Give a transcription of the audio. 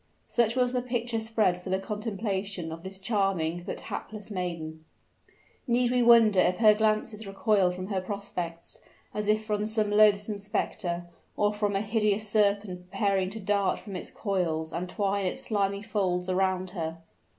Such was the picture spread for the contemplation of this charming, but hapless maiden. Need we wonder if her glances recoiled from her prospects, as if from some loathsome specter, or from a hideous serpent preparing to dart from its coils and twine its slimy folds around her?